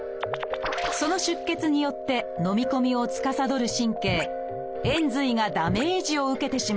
その出血によってのみ込みをつかさどる神経「延髄」がダメージを受けてしまいました。